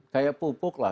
kayak pupuk lah